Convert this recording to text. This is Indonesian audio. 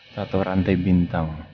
satu rantai bintang